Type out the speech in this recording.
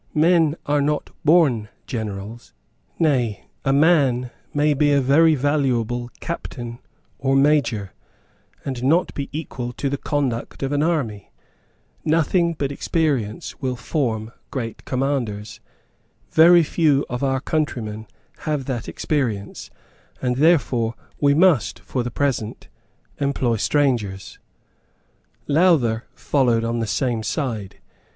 Men are not born generals; nay, a man may be a very valuable captain or major, and not be equal to the conduct of an army. Nothing but experience will form great commanders. Very few of our countrymen have that experience; and therefore we must for the present employ strangers." Lowther followed on the same side.